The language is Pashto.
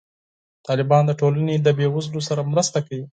طالبان د ټولنې د بې وزلو سره مرسته کوي.